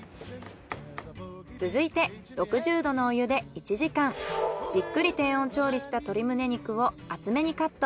続いて６０℃のお湯で１時間じっくり低温調理した鶏ムネ肉を厚めにカット。